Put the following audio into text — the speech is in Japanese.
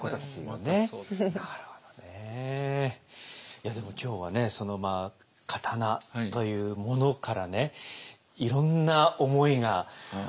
いやでも今日はね刀というものからねいろんな思いが。